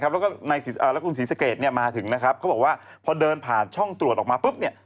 และคุณศรีสะเกตมาถึงเขาบอกว่าพอเดินผ่านช่องตรวจออกมา